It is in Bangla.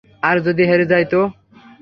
আর যদি হেরে যাই তো?